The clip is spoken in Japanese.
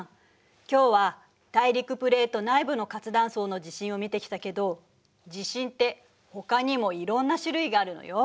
今日は大陸プレート内部の活断層の地震を見てきたけど地震ってほかにもいろんな種類があるのよ。